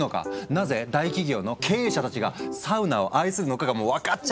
なぜ大企業の経営者たちがサウナを愛するのかが分かっちゃうっていう。